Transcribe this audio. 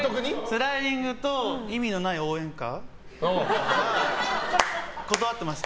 スライディングと意味のない応援歌は断ってました。